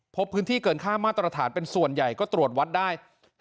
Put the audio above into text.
พบพื้นที่เกินค่ามาตรฐานเป็นส่วนใหญ่ก็ตรวจวัดได้